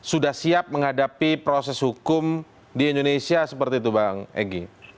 sudah siap menghadapi proses hukum di indonesia seperti itu bang egy